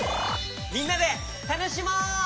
みんなでたのしもう！